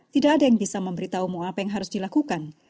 tidak ada yang bisa memberitahumu apa yang harus dilakukan